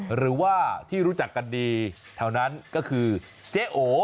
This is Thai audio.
หรือว่าที่รู้จักกันดีแถวนั้นก็คือเจ๊โอ